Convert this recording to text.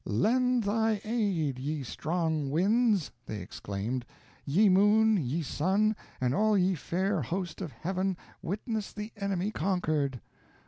"Lend thy aid, ye strong winds," they exclaimed, "ye moon, ye sun, and all ye fair host of heaven, witness the enemy conquered."